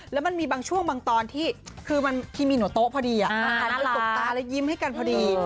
แล้วมันมีบางช่วงบางตอนที่คือบางทีมีหนูโต๊ะพอดีหันไปตบตาแล้วยิ้มให้กันพอดี